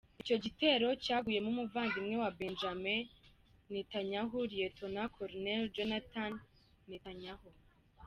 Icyo gitero cyaguyemo umuvandimwe wa Benjamin Netanyahu, Lt Col Jonathan Netanyahu.